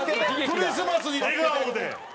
クリスマスに笑顔で。